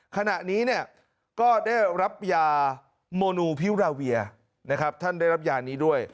ขณะนี้ก็ได้รับยาโมนูพิวราเวียนะครับท่านได้รับยานี้ด้วย